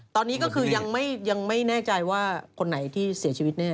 ตอนนี้ก็คือยังไม่แน่ใจว่าคนไหนที่เสียชีวิตแน่